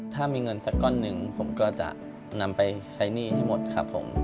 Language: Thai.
ถ้ามีเงินสักก้อนหนึ่งผมก็จะนำไปใช้หนี้ให้หมดครับผม